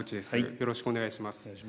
よろしくお願いします。